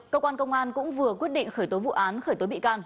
cơ quan công an cũng vừa quyết định khởi tố vụ án khởi tố bị can